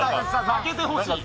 負けてほしい。